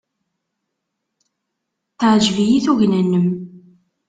Teɛjeb-iyi tugna-nnem.